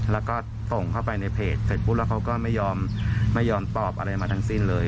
แล้วก็ส่งเข้าไปในเพจเสร็จปุ๊บแล้วเขาก็ไม่ยอมไม่ยอมตอบอะไรมาทั้งสิ้นเลย